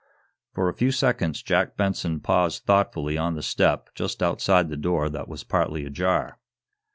For a few seconds Jack Benson paused thoughtfully on the step just outside the door that was partly ajar.